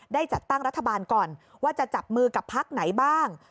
จัดตั้งรัฐบาลก่อนว่าจะจับมือกับพักไหนบ้าง